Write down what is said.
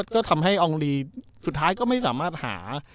ก็ทำให้อองลีสุดท้ายก็ไม่สามารถหา